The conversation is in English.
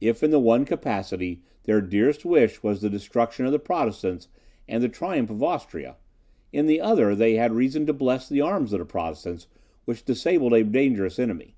If, in the one capacity, their dearest wish was the destruction of the Protestants, and the triumph of Austria, in the other, they had reason to bless the arms of the Protestants, which disabled a dangerous enemy.